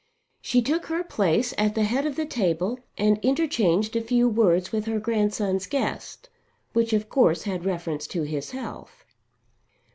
She took her place at the head of the table and interchanged a few words with her grandson's guest, which of course had reference to his health.